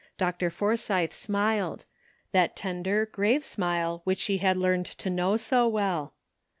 Dr. Forsythe smiled — that tender, grave smile which she had learned to know so well.